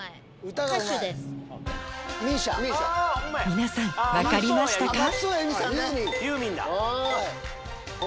皆さん分かりましたか？